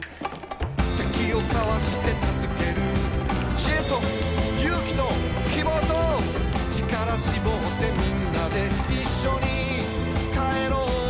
「敵をかわしてたすける」「知恵と、勇気と、希望と」「ちからしぼってみんなでいっしょに帰ろう」